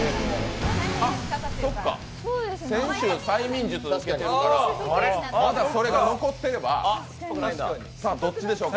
そっか、先週、催眠術受けてるから、まだそれが残ってれば、どっちでしょうか。